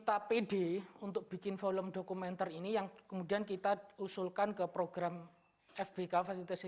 apd untuk bikin film dokumenter ini yang kemudian kita usulkan ke program fbk fasilitasi